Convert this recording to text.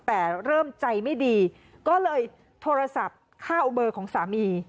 แต่เริ่มใจไม่ดีก็เลยโทรศัพท์เข้าเบอร์ของสามี